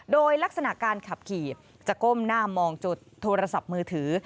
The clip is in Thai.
โดยลักษณะการขับขี่จะก้มหน้ามองจุดโทรศัพท์มือถือ